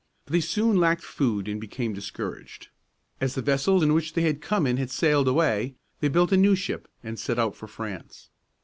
But they soon lacked food and became discouraged. As the vessel in which they had come had sailed away, they built a new ship and set out for France.